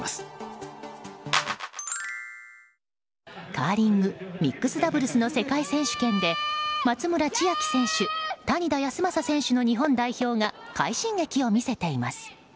カーリングミックスダブルスの世界選手権で松村千秋選手、谷田康真選手の日本代表が快進撃を見せています。